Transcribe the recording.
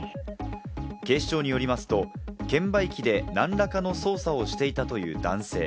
警視庁によりますと、券売機で何らかの操作をしていたという男性。